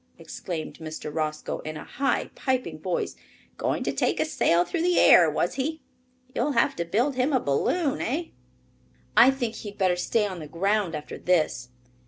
exclaimed Mr. Roscoe, in a high piping voice. "Going to take a sail through the air, was he? You'll have to build him a balloon, eh?" "I think he had better stay on the ground after this."